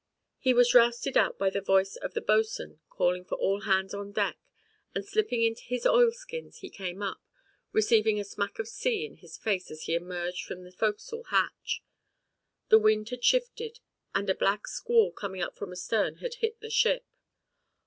He was rousted out by the voice of the Bo'sw'n calling for all hands on deck and slipping into his oilskins he came up, receiving a smack of sea in his face as he emerged from the fo'c'sle hatch. The wind had shifted and a black squall coming up from astern had hit the ship.